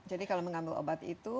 jadi kalau mengambil obat itu